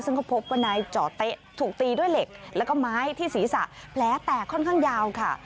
ซึ่งก็พบว่านายเจาะเต๊ะถูกตีด้วยเหล็กแล้วก็ไม้ที่ศีรษะแผลแตกค่อนข้างยาวค่ะ